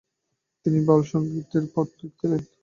তিনি বাউল সঙ্গীতের অন্যতম পথিকৃৎ ছিলেন।